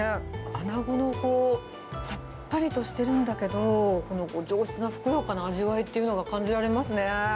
アナゴのこう、さっぱりとしてるんだけど、この上質なふくよかな味わいというのが感じられますね。